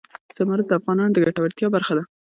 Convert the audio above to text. زمرد د افغانانو د ګټورتیا برخه ده.